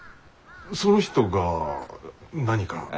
その人が何か？